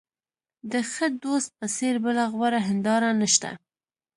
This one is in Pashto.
د ښه دوست په څېر بله غوره هنداره نشته.